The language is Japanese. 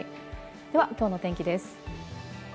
ではきょうの天気です。